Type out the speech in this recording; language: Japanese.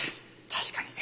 確かに。